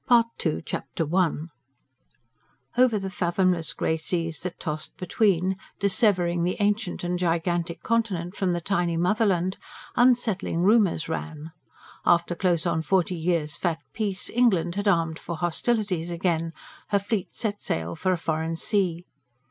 Part II Chapter I Over the fathomless grey seas that tossed between, dissevering the ancient and gigantic continent from the tiny motherland, unsettling rumours ran. After close on forty years' fat peace, England had armed for hostilities again, her fleet set sail for a foreign sea.